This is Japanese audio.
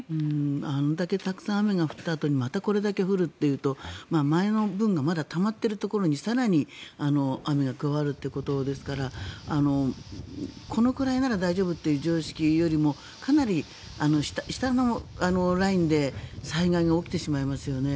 あれだけたくさん雨が降ったあとにまたこれだけ降るというと前の分がまだたまっているところに更に雨が加わるっていうことですからこのくらいなら大丈夫という常識よりもかなり下のラインで災害が起きてしまいますよね。